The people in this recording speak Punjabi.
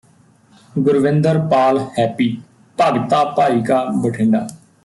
ਗੁਰਵਿੰਦਰ ਪਾਲ ਹੈਪੀ ਭਗਤਾ ਭਾਈ ਕਾ ਬਠਿੰਡਾ